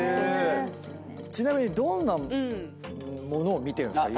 ちなみにどんなものを見てるんですか？